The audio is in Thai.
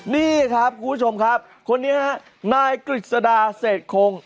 นี่ครับคุณผู้ชมครับคนนี้ฮะนายกฤษดาเศษคง